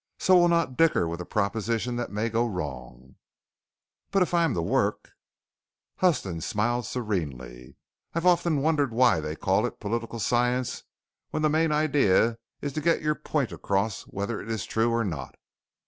So we'll not dicker with a proposition that may go wrong." "But if I am to work " Huston smiled serenely. "I've often wondered why they call it 'Political Science' when the main idea is to get your point across whether it is true or not.